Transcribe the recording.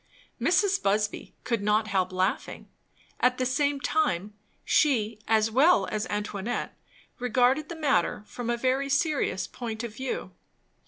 Mrs. Busby could not help laughing. At the same time, she as well as Antoinette regarded the matter from a very serious point of view.